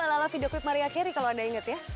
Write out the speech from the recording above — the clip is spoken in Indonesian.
alala video clip maria carey kalau anda ingat ya